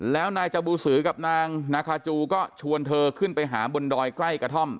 แล้วนายจบูสือกับนางนาคาจูก็ชวนเธอขึ้นไปหาบนดอยใกล้กระท่อม